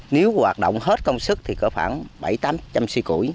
nếu hoạt động hết công sức thì có khoảng bảy tám trăm suy củi